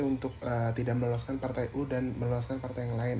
untuk tidak meloloskan partai u dan meloloskan partai yang lain